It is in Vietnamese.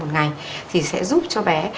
một ngày thì sẽ giúp cho bé